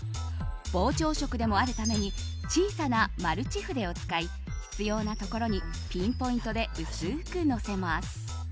膨張色でもあるために小さなマルチ筆を使い必要なところにピンポイントで薄くのせます。